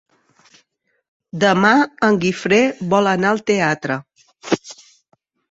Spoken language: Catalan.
Demà en Guifré vol anar al teatre.